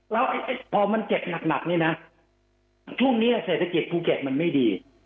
แล้วพอมันเจ็บหนักเนี่ยนะช่วงนี้เศรษฐกิจภูเก็ตมันไม่ดี